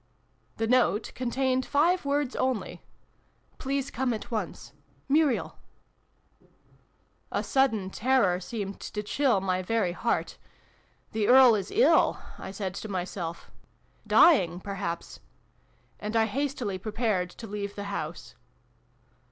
The note contained five words only. " Please come at once. Muriel." xxv] LIFE OUT OF DEATH. 401 A sudden terror seemed to chill my very heart. " The Earl is ill !" I said to myself. " Dying, perhaps !" And I hastily prepared to leave the house.